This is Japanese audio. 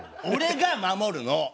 俺が守るの。